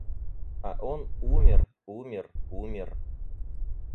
А он умер, умер, умер...